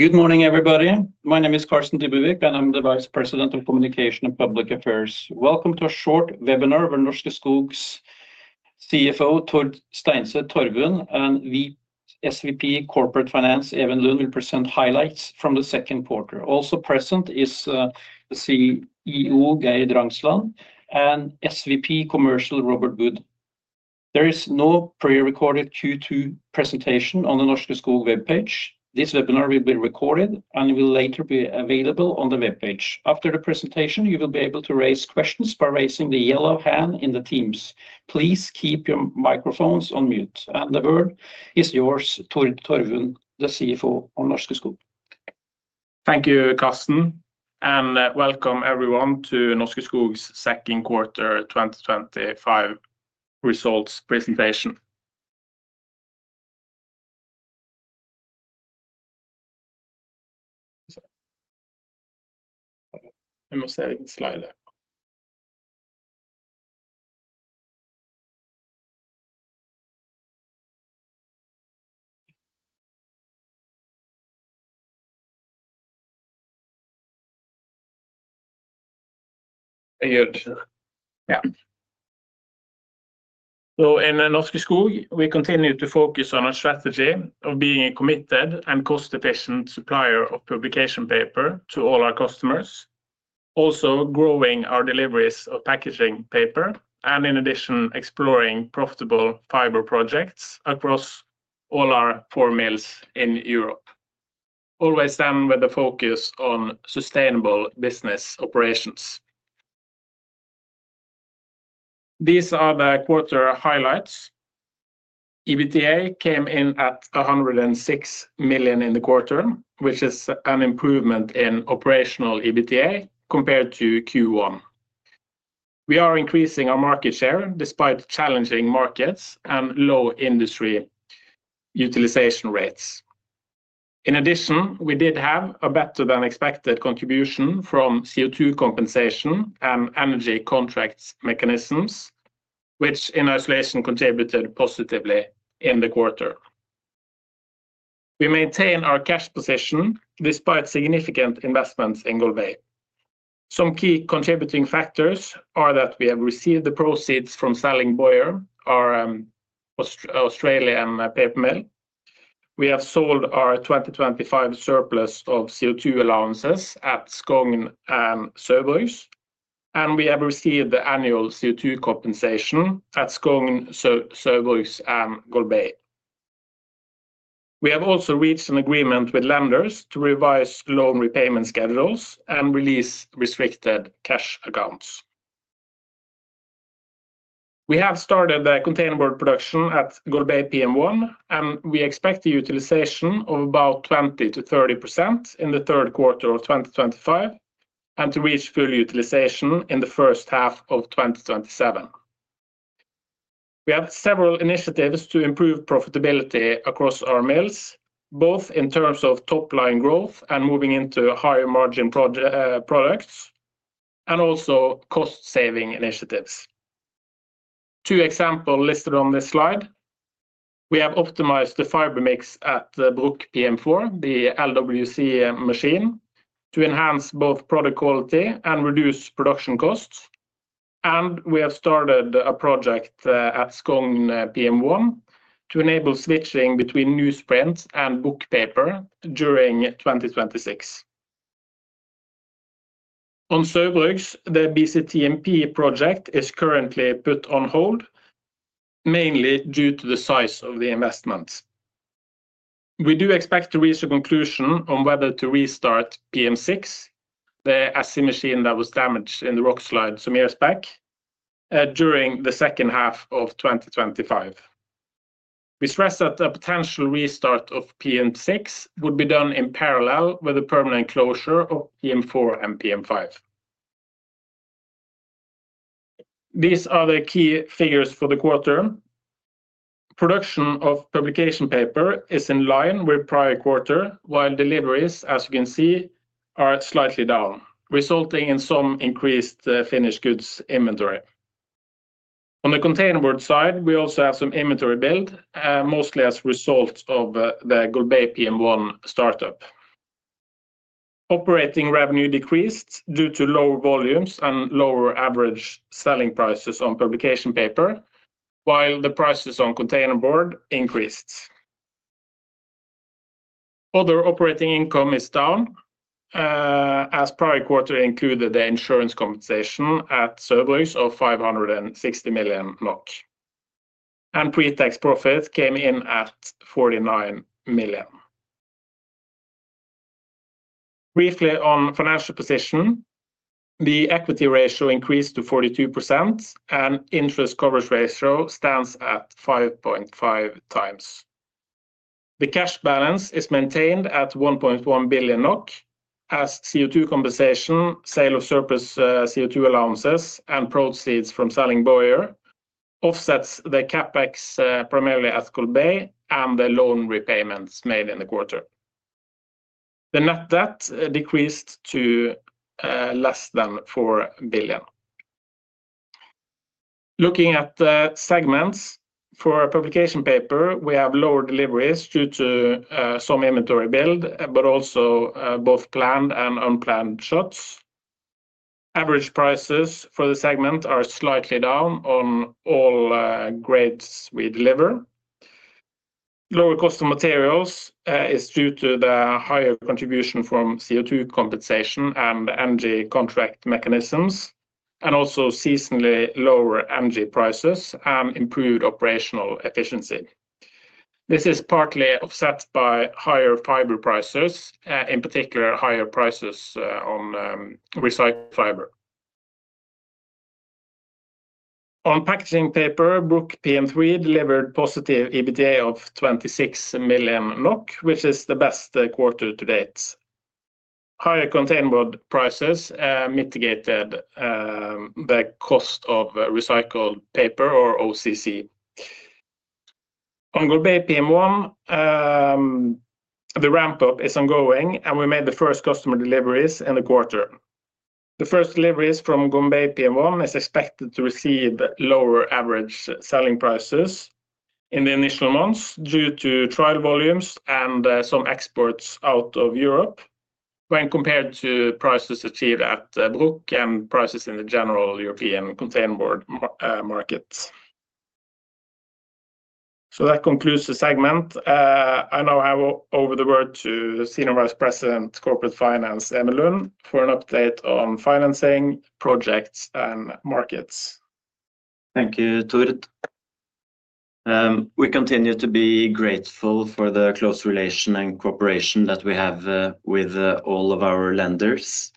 Good morning, everybody. My name is Carsten Dybevig, and I'm the Vice President of Communication and Public Affairs. Welcome to a short webinar with Norske Skog's CFO, Tord Steinset Torvund, and VP Corporate Finance, Even Lund, who will present highlights from the second quarter. Also present is the CEO, Geir Drangsland, and SVP Commercial, Robert Wood. There is no prerecorded Q2 presentation on the Norske Skog webpage. This webinar will be recorded and will later be available on the webpage. After the presentation, you will be able to raise questions by raising the yellow hand in Teams. Please keep your microphones on mute. The word is yours, Tord Torvund, the CFO of Norske Skog. Thank you, Carsten. Welcome, everyone, to Norske Skog's Second Quarter 2025 Results Presentation. Vi må se en liten slide. In Norske Skog, we continue to focus on our strategy of being a committed and cost-efficient supplier of publication paper to all our customers. Also, growing our deliveries of packaging paper, and in addition, exploring profitable fiber projects across all our four mills in Europe. Always then with a focus on sustainable business operations. These are the quarter highlights. EBITDA came in at $106 million in the quarter, which is an improvement in operational EBITDA compared to Q1. We are increasing our market share despite challenging markets and low industry utilization rates. In addition, we did have a better than expected contribution from CO2 compensation and energy contracts mechanisms, which in isolation contributed positively in the quarter. We maintain our cash position despite significant investments in Golbey. Some key contributing factors are that we have received the proceeds from selling Boyer, our Australian paper mill. We have sold our 2025 surplus of CO2 allowances at Skogn and Saugbrugs, and we have received the annual CO2 compensation at Skogn, Saugbrugs, and Golbey. We have also reached an agreement with lenders to revise loan repayment schedules and release restricted cash accounts. We have started the containerboard production at Golbey PM1, and we expect the utilization of about 20%- 30% in the third quarter of 2025 and to reach full utilization in the first half of 2027. We have several initiatives to improve profitability across our mills, both in terms of top line growth and moving into higher margin products, and also cost-saving initiatives. Two examples listed on this slide. We have optimized the fiber mix at the Bruck PM4, the LWC machine, to enhance both product quality and reduce production costs. We have started a project at Skogn PM1 to enable switching between newsprint and book paper during 2026. On Saugbrugs, the BCTMP project is currently put on hold, mainly due to the size of the investment. We do expect to reach a conclusion on whether to restart PM6, the SC machine that was damaged in the rockslide some years back, during the second half of 2025. We stress that a potential restart of PM6 would be done in parallel with the permanent closure of PM4 and PM5. These are the key figures for the quarter. Production of publication paper is in line with prior quarter, while deliveries, as you can see, are slightly down, resulting in some increased finished goods inventory. On the containerboard side, we also have some inventory build, mostly as a result of the Golbey PM1 startup. Operating revenue decreased due to lower volumes and lower average selling prices on publication paper, while the prices on containerboard increased. Other operating income is down, as prior quarter included the insurance compensation at Saugbrugs of 560 million. Pre-tax profit came in at 49 million. Briefly on financial position, the equity ratio increased to 42%, and interest coverage ratio stands at 5.5 times. The cash balance is maintained at 1.1 billion NOK, as CO2 compensation, sale of surplus CO2 allowances, and proceeds from selling Boyer offset the capex primarily at Golbey and the loan repayments made in the quarter. The net debt decreased to less than 4 billion. Looking at the segments for publication paper, we have lower deliveries due to some inventory build, but also both planned and unplanned shuts. Average prices for the segment are slightly down on all grades we deliver. Lower cost of materials is due to the higher contribution from CO2 compensation and energy contract mechanisms, and also seasonally lower energy prices and improved operational efficiency. This is partly offset by higher fiber prices, in particular higher prices on recycled fiber. On packaging paper, Bruck PM3 delivered positive EBITDA of 26 million NOK, which is the best quarter to date. Higher containerboard prices mitigated the cost of recycled paper or OCC. On Golbey PM1, the ramp-up is ongoing, and we made the first customer deliveries in the quarter. The first deliveries from Golbey PM1 are expected to receive lower average selling prices in the initial months due to trial volumes and some exports out of Europe when compared to prices achieved at Bruck and prices in the general European containerboard markets. That concludes the segment. I now hand over the word to the Senior Vice President, Corporate Finance, Even Lund, for an update on financing, projects, and markets. Thank you, Tord. We continue to be grateful for the close relation and cooperation that we have with all of our lenders.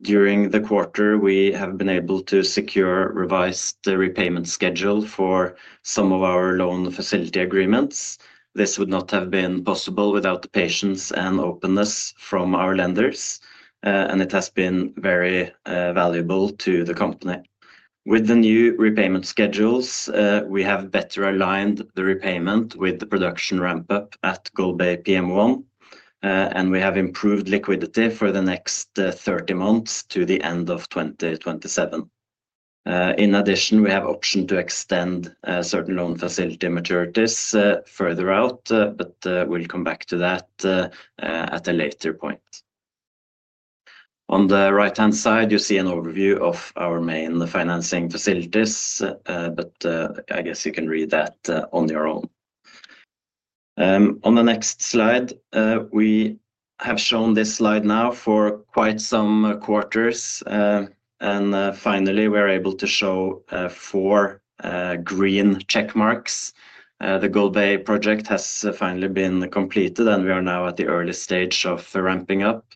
During the quarter, we have been able to secure a revised repayment schedule for some of our loan facility agreements. This would not have been possible without the patience and openness from our lenders, and it has been very valuable to the company. With the new repayment schedules, we have better aligned the repayment with the production ramp-up at Golbey PM1, and we have improved liquidity for the next 30 months to the end of 2027. In addition, we have the option to extend certain loan facility maturities further out, but we'll come back to that at a later point. On the right-hand side, you see an overview of our main financing facilities, but I guess you can read that on your own. On the next slide, we have shown this slide now for quite some quarters, and finally, we're able to show four green check marks. The Golbey project has finally been completed, and we are now at the early stage of ramping up.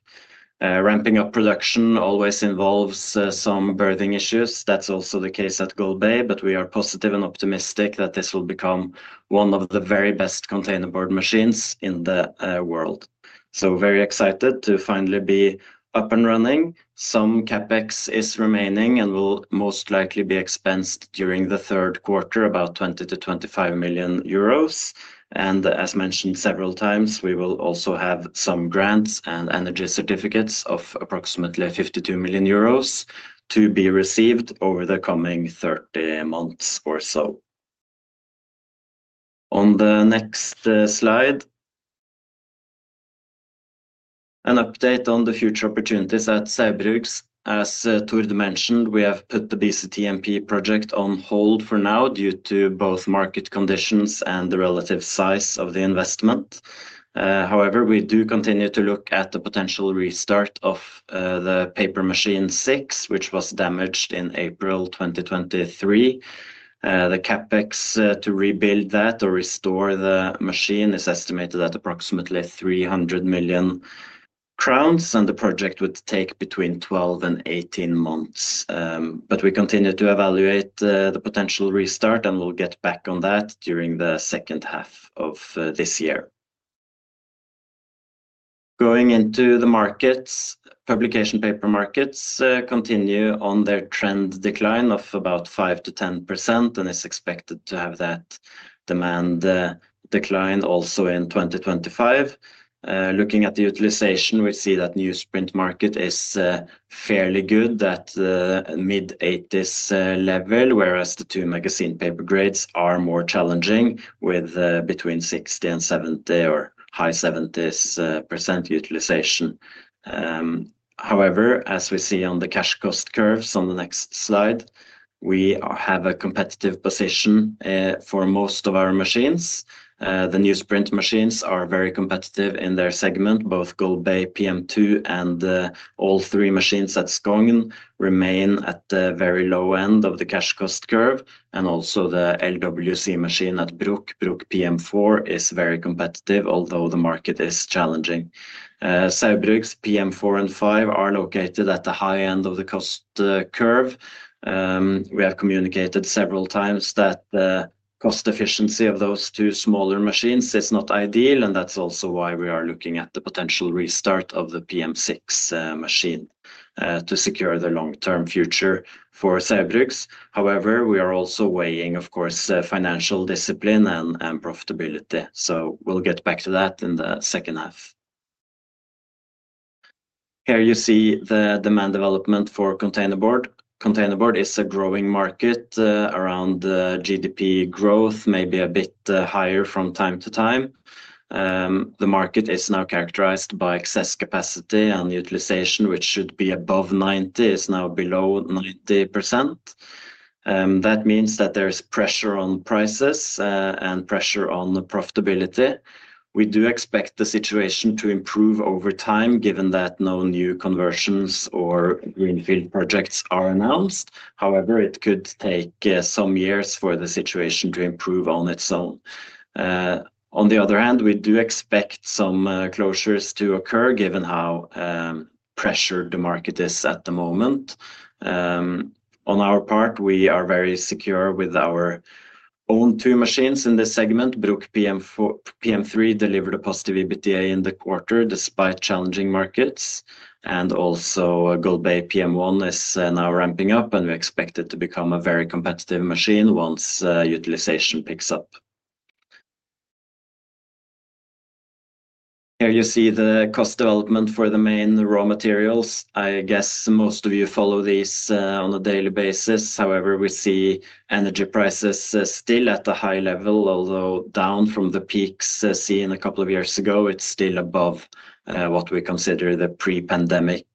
Ramping up production always involves some burning issues. That's also the case at Golbey, but we are positive and optimistic that this will become one of the very best containerboard machines in the world. Very excited to finally be up and running. Some CapEx is remaining and will most likely be expensed during the third quarter, about €20 million-€25 million. As mentioned several times, we will also have some grants and energy certificates of approximately €52 million to be received over the coming 30 months or so. On the next slide, an update on the future opportunities at Saugbrugs. As Tord mentioned, we have put the BCTMP project on hold for now due to both market conditions and the relative size of the investment. However, we do continue to look at the potential restart of the paper machine 6, which was damaged in April 2023. The CapEx to rebuild that or restore the machine is estimated at approximately 300 million crowns, and the project would take between 12 and 18 months. We continue to evaluate the potential restart, and we'll get back on that during the second half of this year. Going into the markets, publication paper markets continue on their trend decline of about 5%-10% and is expected to have that demand decline also in 2025. Looking at the utilization, we see that the newsprint market is fairly good at the mid-80% level, whereas the two magazine paper grades are more challenging with between 60% and 70% or high 70% utilization. However, as we see on the cash cost curves on the next slide, we have a competitive position for most of our machines. The newsprint machines are very competitive in their segment. Both Golbey PM2 and all three machines at Skogn remain at the very low end of the cash cost curve, and also the LWC machine at Bruck, Bruck PM4 is very competitive, although the market is challenging. Saugbrugs PM4 and 5 are located at the high end of the cost curve. We have communicated several times that the cost efficiency of those two smaller machines is not ideal, and that's also why we are looking at the potential restart of the PM6 machine to secure the long-term future for Saugbrugs. However, we are also weighing, of course, financial discipline and profitability. We'll get back to that in the second half. Here you see the demand development for containerboard. Containerboard is a growing market around GDP growth, maybe a bit higher from time to time. The market is now characterized by excess capacity and utilization, which should be above 90%, is now below 90%. That means that there is pressure on prices and pressure on profitability. We do expect the situation to improve over time, given that no new conversions or greenfield projects are announced. However, it could take some years for the situation to improve on its own. On the other hand, we do expect some closures to occur, given how pressured the market is at the moment. On our part, we are very secure with our own two machines in this segment. Bruck PM3 delivered a positive EBITDA in the quarter, despite challenging markets. Also, Golbey PM1 is now ramping up, and we expect it to become a very competitive machine once utilization picks up. Here you see the cost development for the main raw materials. I guess most of you follow these on a daily basis. However, we see energy prices still at a high level, although down from the peaks seen a couple of years ago, it's still above what we consider the pre-pandemic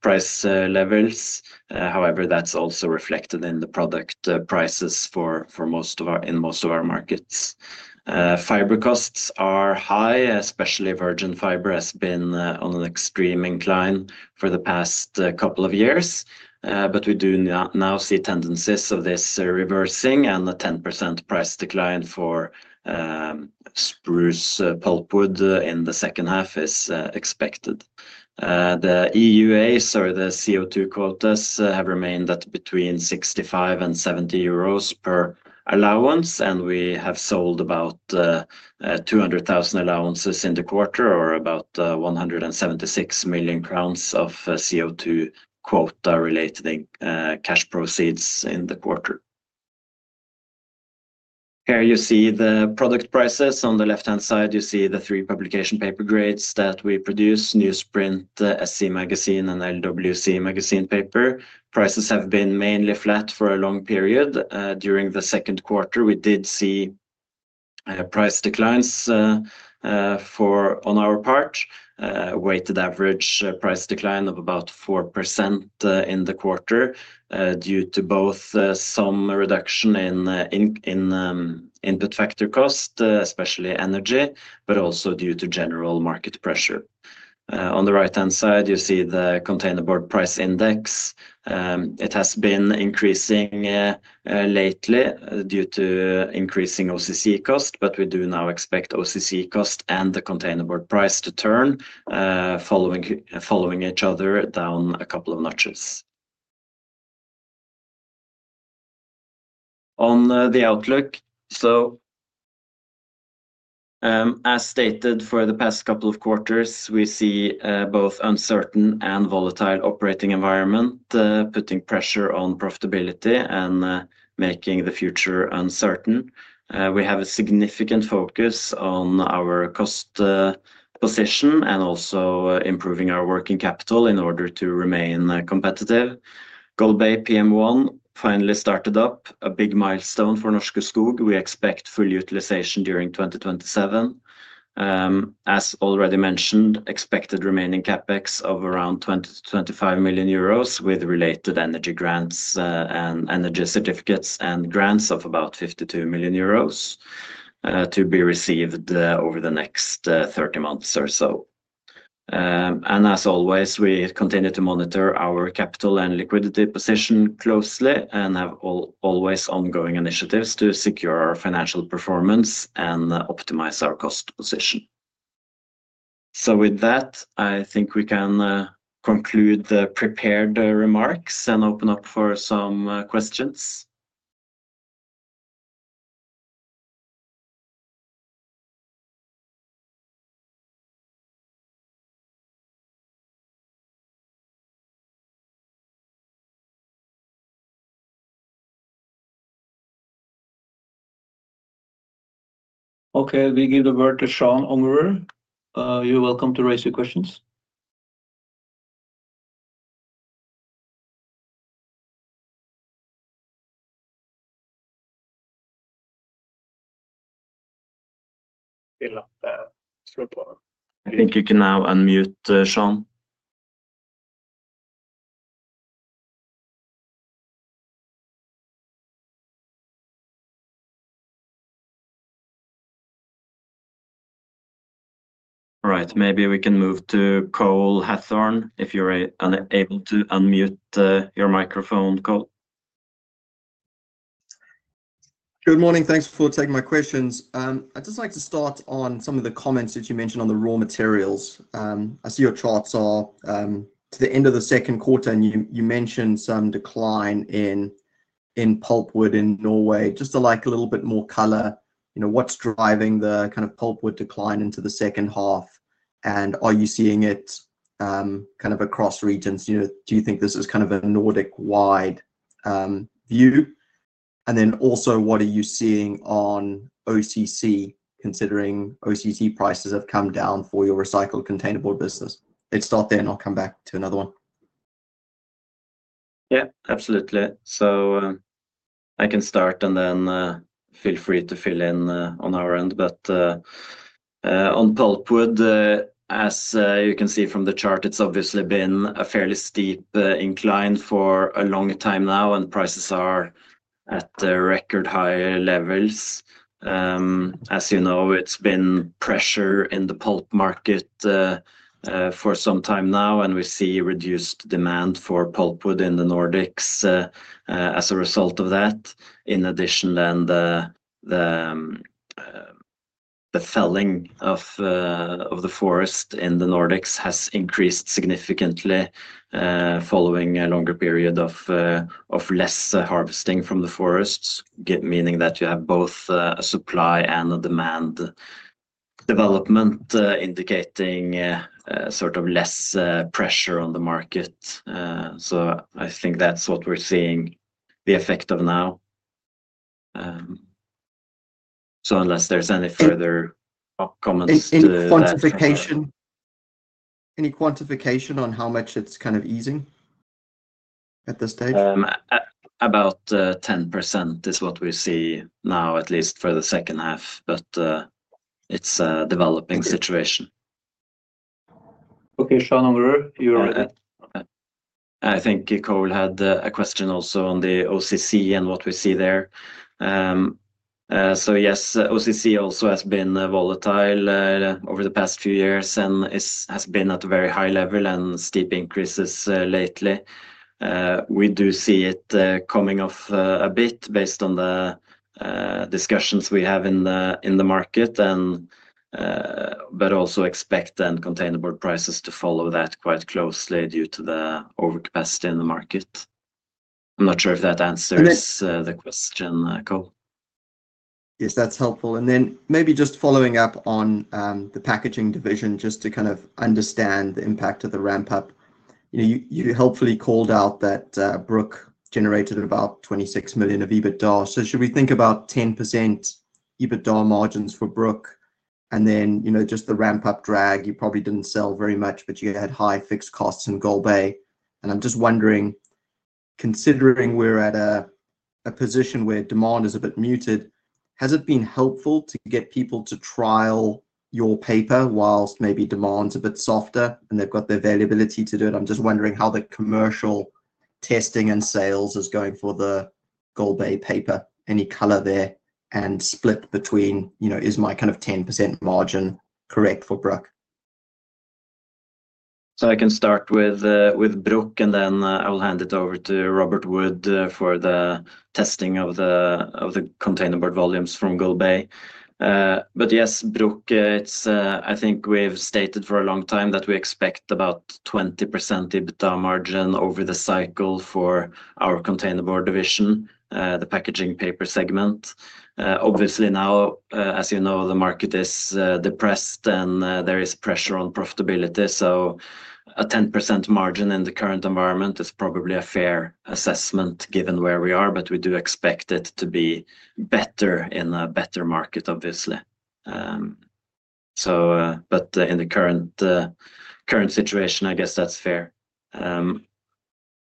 price levels. That's also reflected in the product prices for most of our markets. Fiber costs are high, especially virgin fiber, has been on an extreme incline for the past couple of years. We do now see tendencies of this reversing, and a 10% price decline for spruce pulpwood in the second half is expected. The EUA, so the CO2 allowances, have remained at between €65 and €70 per allowance, and we have sold about 200,000 allowances in the quarter, or about 176 million crowns of CO2 allowance-related cash proceeds in the quarter. Here you see the product prices. On the left-hand side, you see the three publication paper grades that we produce: newsprint, SC magazine, and LWC magazine paper. Prices have been mainly flat for a long period. During the second quarter, we did see price declines on our part, a weighted average price decline of about 4% in the quarter due to both some reduction in input factor cost, especially energy, but also due to general market pressure. On the right-hand side, you see the containerboard price index. It has been increasing lately due to increasing OCC cost, but we do now expect OCC cost and the containerboard price to turn, following each other down a couple of notches. On the outlook, as stated for the past couple of quarters, we see both uncertain and volatile operating environment putting pressure on profitability and making the future uncertain. We have a significant focus on our cost position and also improving our working capital in order to remain competitive. Golbey PM1 finally started up, a big milestone for Norske Skog. We expect full utilization during 2027. As already mentioned, expected remaining CapEx of around €20 million-€25 million with related energy grants and energy certificates and grants of about €52 million to be received over the next 30 months or so. As always, we continue to monitor our capital and liquidity position closely and have always ongoing initiatives to secure our financial performance and optimize our cost position. With that, I think we can conclude the prepared remarks and open up for some questions. Okay, I'll give the word to Sean O'Rourke. You're welcome to raise your questions. I think you can now unmute, Sean. All right, maybe we can move to Cole Hathorne if you're able to unmute your microphone, Cole. Good morning. Thanks for taking my questions. I'd just like to start on some of the comments that you mentioned on the raw materials. I see your charts are to the end of the second quarter, and you mentioned some decline in pulpwood in Norway. I'd just like a little bit more color, you know, what's driving the kind of pulpwood decline into the second half, and are you seeing it kind of across regions? Do you think this is kind of a Nordic-wide view? Also, what are you seeing on OCC considering OCC prices have come down for your recycled containerboard business? Let's start there, and I'll come back to another one. Yeah, absolutely. I can start, and then feel free to fill in on our end. On pulpwood, as you can see from the chart, it's obviously been a fairly steep incline for a long time now, and prices are at record high levels. As you know, it's been pressure in the pulp market for some time now, and we see reduced demand for pulpwood in the Nordics as a result of that. In addition, the felling of the forest in the Nordics has increased significantly following a longer period of less harvesting from the forests, meaning that you have both a supply and a demand development indicating sort of less pressure on the market. I think that's what we're seeing the effect of now. Unless there's any further comments to... Any quantification on how much it's kind of easing at this stage? About 10% is what we see now, at least for the second half, but it's a developing situation. Okay, Sean O'Rourke, you're... I think Cole had a question also on the OCC and what we see there. Yes, OCC also has been volatile over the past few years and has been at a very high level with steep increases lately. We do see it coming off a bit based on the discussions we have in the market, and also expect containerboard prices to follow that quite closely due to the overcapacity in the market. I'm not sure if that answers the question, Cole. Yes, that's helpful. Maybe just following up on the packaging division, just to kind of understand the impact of the ramp-up. You helpfully called out that Bruck generated about €26 million of EBITDA. Should we think about 10% EBITDA margins for Bruck and then just the ramp-up drag? You probably didn't sell very much, but you had high fixed costs in Golbey. I'm just wondering, considering we're at a position where demand is a bit muted, has it been helpful to get people to trial your paper whilst maybe demand's a bit softer and they've got the availability to do it? I'm just wondering how the commercial testing and sales is going for the Golbey paper. Any color there and split between, you know, is my kind of 10% margin correct for Bruck? I can start with Bruck and then I will hand it over to Robert Wood for the testing of the containerboard volumes from Golbey. Yes, Bruck, I think we've stated for a long time that we expect about 20% EBITDA margin over the cycle for our containerboard division, the packaging paper segment. Obviously, now, as you know, the market is depressed and there is pressure on profitability. A 10% margin in the current environment is probably a fair assessment given where we are, but we do expect it to be better in a better market, obviously. In the current situation, I guess that's fair.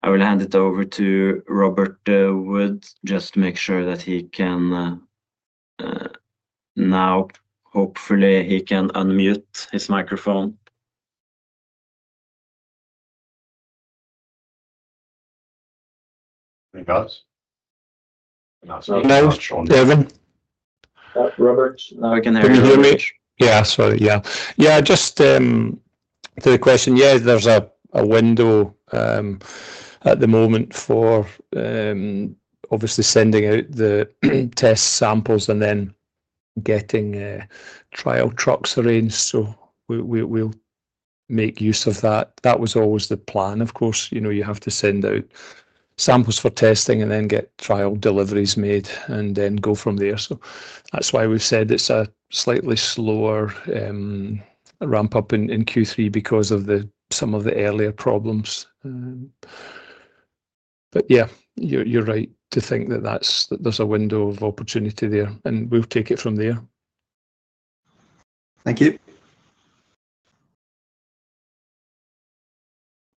I will hand it over to Robert Wood just to make sure that he can now hopefully unmute his microphone. He does. Now, Sean. Robert. can you hear me? Sorry. Yeah, just the question. There's a window at the moment for obviously sending out the test samples and then getting trial trucks arranged. We'll make use of that. That was always the plan, of course. You have to send out samples for testing and then get trial deliveries made and then go from there. That's why we've said it's a slightly slower ramp-up in Q3 because of some of the earlier problems. You're right to think that there's a window of opportunity there, and we'll take it from there. Thank you.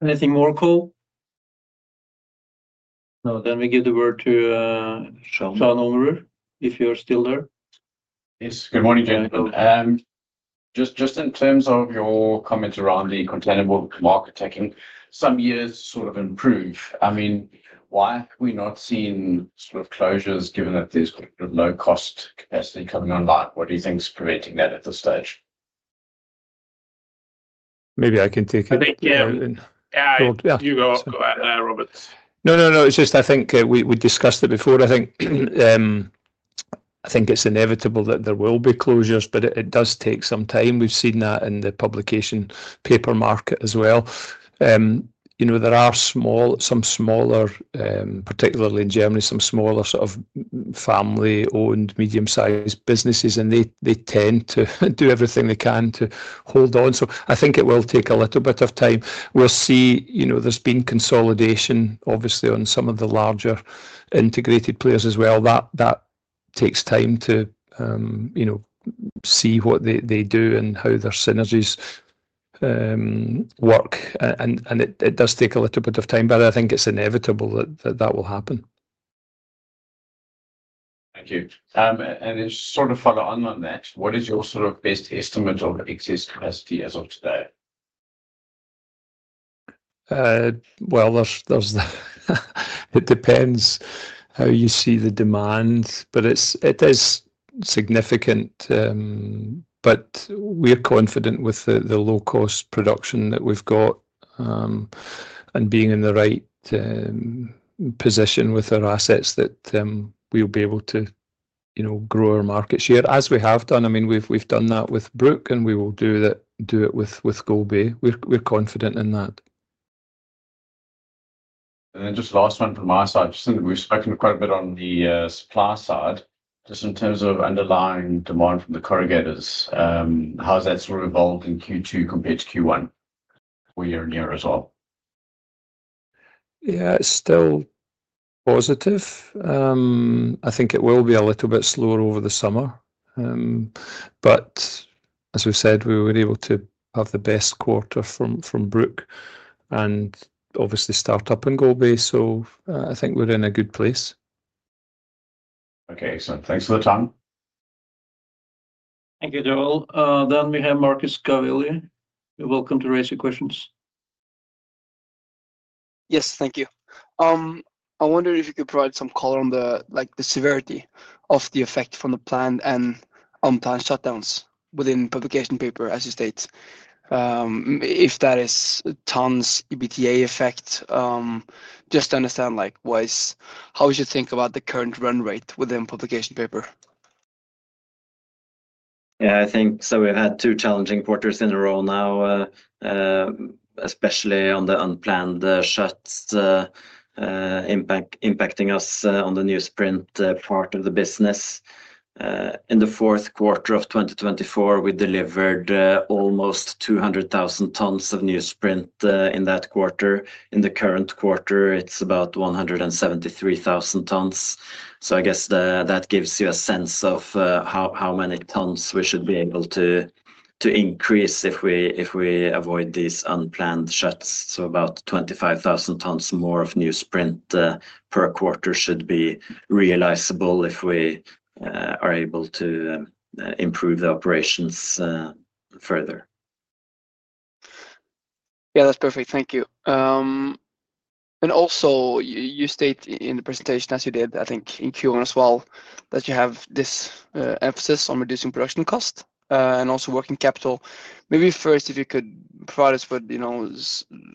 Anything more, Cole? No, then we give the word to Sean O'Rourke if you're still there. Yes, good morning, James. Just in terms of your comment around the containerboard market taking some years to sort of improve, why have we not seen closures given that there's low cost as they're coming online? What do you think is creating that at this stage? Maybe I can take it. I think, yeah. Yeah, you go. Go ahead, Robert. I think we discussed it before. I think it's inevitable that there will be closures, but it does take some time. We've seen that in the publication paper market as well. There are some smaller, particularly in Germany, some smaller sort of family-owned medium-sized businesses, and they tend to do everything they can to hold on. I think it will take a little bit of time. We'll see, there's been consolidation, obviously, on some of the larger integrated players as well. That takes time to see what they do and how their synergies work. It does take a little bit of time, but I think it's inevitable that that will happen. Thank you. It's sort of on the online net. What is your sort of best estimate of excess capacity as of today? It depends how you see the demand, but it is significant. We're confident with the low-cost production that we've got and being in the right position with our assets that we'll be able to, you know, grow our market share as we have done. I mean, we've done that with Bruck, and we will do it with Golbey. We're confident in that. Just the last one from my side. I just think we're spending quite a bit on the supply side. In terms of underlying demand from the caregivers, how's that sort of evolved in Q2 compared to Q1? What are your narrative? Yeah, it's still positive. I think it will be a little bit slower over the summer. As we said, we were able to have the best quarter from Bruck and obviously start up in Golbey. I think we're in a good place. Okay, excellent. Thanks for the time. Thank you, Joel. We have Marcus Cavalli. You're welcome to raise your questions. Yes, thank you. I wonder if you could provide some color on the severity of the effect from the planned and unplanned shutdowns within publication paper, as you state. If that is tons EBITDA effect, just to understand, like what is, how would you think about the current run rate within publication paper? Yeah, I think so. We've had two challenging quarters in a row now, especially on the unplanned shuts impacting us on the newsprint part of the business. In the fourth quarter of 2024, we delivered almost 200,000 tons of newsprint in that quarter. In the current quarter, it's about 173,000 tons. I guess that gives you a sense of how many tons we should be able to increase if we avoid these unplanned shuts. About 25,000 tons more of newsprint per quarter should be realizable if we are able to improve the operations further. Yeah, that's perfect. Thank you. You state in the presentation, as you did, I think in Q1 as well, that you have this emphasis on reducing production cost and also working capital. Maybe first, if you could provide us with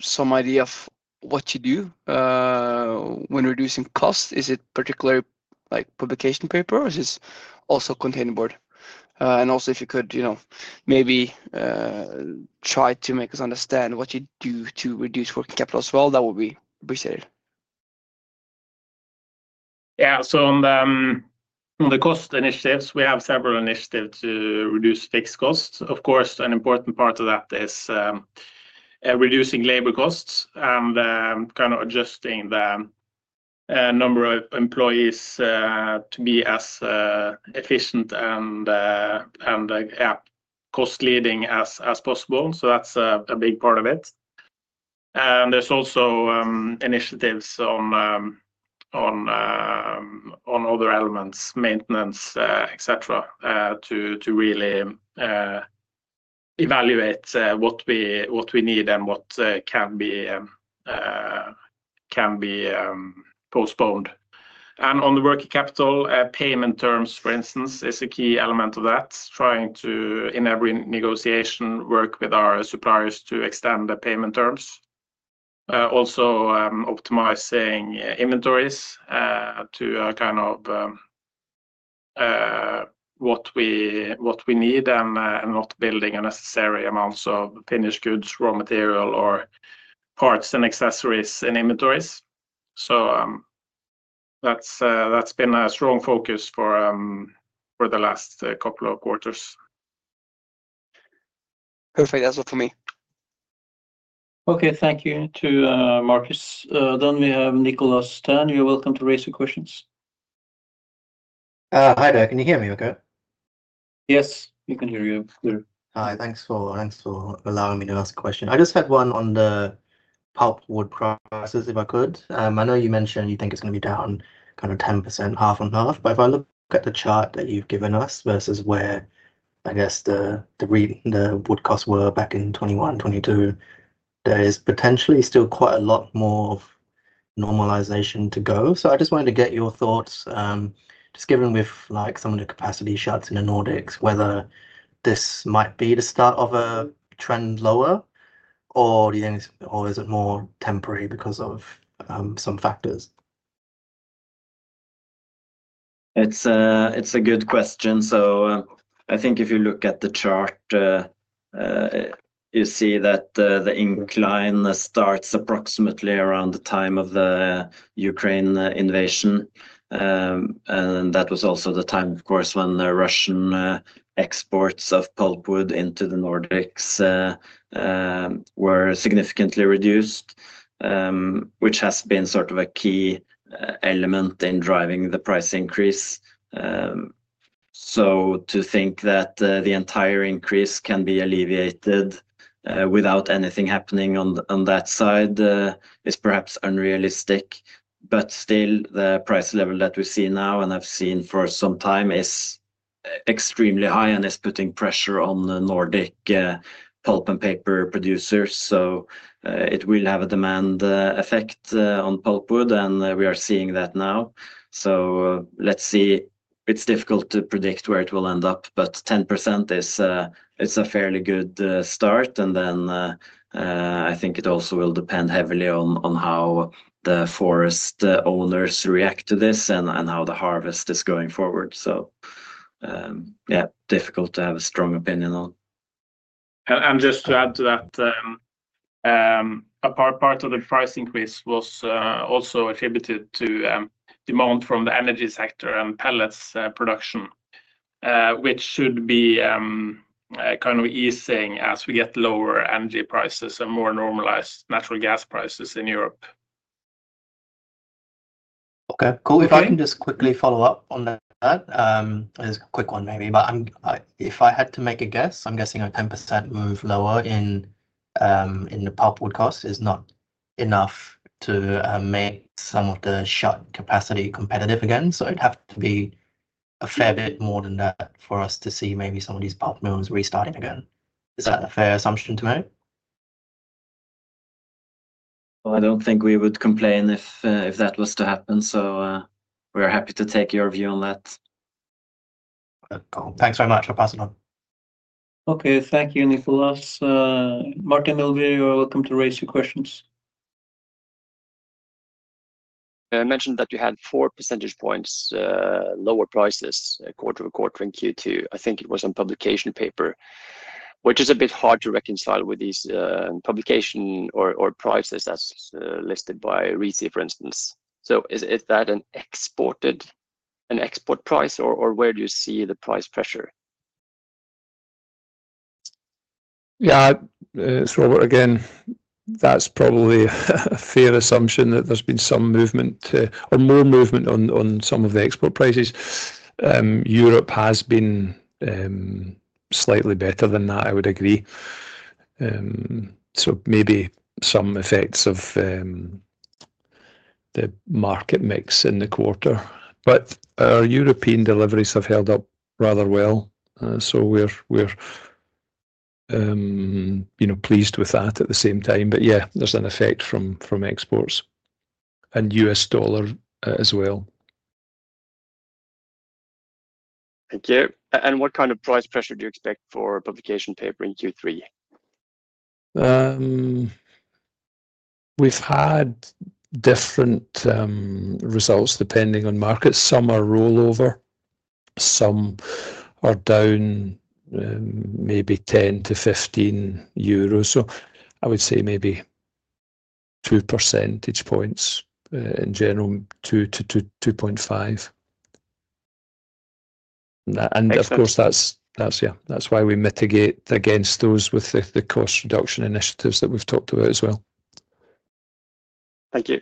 some idea of what you do when reducing cost. Is it particularly like publication paper or is it also containerboard? If you could maybe try to make us understand what you do to reduce working capital as well, that would be appreciated. Yeah, on the cost initiatives, we have several initiatives to reduce fixed costs. Of course, an important part of that is reducing labor costs and adjusting the number of employees to be as efficient and, yeah, cost-leading as possible. That's a big part of it. There's also initiatives on other elements, maintenance, etc., to really evaluate what we need and what can be postponed. On the working capital, payment terms, for instance, is a key element of that. Trying to, in every negotiation, work with our suppliers to extend the payment terms. Also, optimizing inventories to what we need and not building unnecessary amounts of finished goods, raw material, or parts and accessories in inventories. That's been a strong focus for the last couple of quarters. Perfect. That's all for me. Okay, thank you to Marcus. Nicholas Stern, you're welcome to raise your questions. Hi there, can you hear me okay? Yes, we can hear you. Hi. Thanks for allowing me to ask a question. I just had one on the pulpwood prices if I could. I know you mentioned you think it's going to be down kind of 10%, half and half, but if I look at the chart that you've given us versus where, I guess, the wood costs were back in 2021, 2022, there is potentially still quite a lot more of normalization to go. I just wanted to get your thoughts, just given with like some of the capacity shuts in the Nordics, whether this might be the start of a trend lower, or do you think, or is it more temporary because of some factors? It's a good question. I think if you look at the chart, you see that the incline starts approximately around the time of the Ukraine invasion. That was also the time, of course, when Russian exports of pulpwood into the Nordics were significantly reduced, which has been sort of a key element in driving the price increase. To think that the entire increase can be alleviated without anything happening on that side is perhaps unrealistic. Still, the price level that we see now, and I've seen for some time, is extremely high and is putting pressure on the Nordic pulp and paper producers. It will have a demand effect on pulpwood, and we are seeing that now. Let's see. It's difficult to predict where it will end up, but 10% is a fairly good start. I think it also will depend heavily on how the forest owners react to this and how the harvest is going forward. Difficult to have a strong opinion on. A part of the price increase was also attributed to demand from the energy sector and pellets production, which should be kind of easing as we get lower energy prices and more normalized natural gas prices in Europe. Okay. If I can just quickly follow up on that, it's a quick one, maybe, but if I had to make a guess, I'm guessing a 10% move lower in the pulpwood cost is not enough to make some of the shut capacity competitive again. It would have to be a fair bit more than that for us to see maybe some of these pulp mills restarting again. Is that a fair assumption to make? I don't think we would complain if that was to happen. We're happy to take your view on that. Thanks very much. I'll pass it on. Okay. Thank you, Nicholas. Martin will be here. You're welcome to raise your questions. I mentioned that you had 4% lower prices quarter to quarter in Q2. I think it was in publication paper, which is a bit hard to reconcile with these publication paper prices as listed by RISI, for instance. Is that an export price, or where do you see the price pressure? Yeah, that's probably a fair assumption that there's been some movement or more movement on some of the export prices. Europe has been slightly better than that, I would agree. Maybe some effects of the market mix in the quarter. Our European deliveries have held up rather well, so we're pleased with that at the same time. There's an effect from exports and U.S. dollar as well. Thank you. What kind of price pressure do you expect for publication paper in Q3? We've had different results depending on markets. Some are rollover, some are down maybe €10-€15. I would say maybe 2 percentage points in general, 2%-2.5%. Of course, that's why we mitigate against those with the cost reduction initiatives that we've talked about as well. Thank you.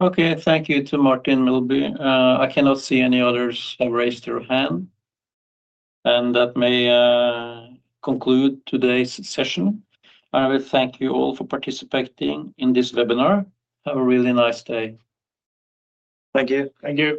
Okay. Thank you to Martin Nordby. I cannot see any others have raised their hand. That may conclude today's session. I will thank you all for participating in this webinar. Have a really nice day. Thank you. Thank you.